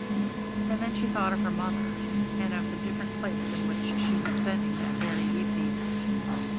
And then she thought of her mother, and of the different place in which she was spending that very evening.